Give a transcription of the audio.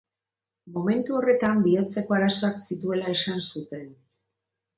Momentu horretan bihotzeko arazoak zituela esan zuten.